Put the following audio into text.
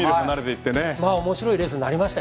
面白いレースになりました。